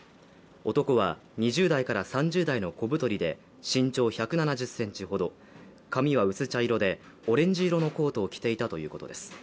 男は２０代から３０代の小太りで身長１７０ｃｍほど、髪は薄茶色でオレンジ色のコートを着ていたということです。